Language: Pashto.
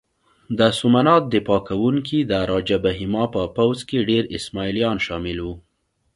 د سومنات دفاع کوونکي د راجه بهیما په پوځ کې ډېر اسماعیلیان شامل وو.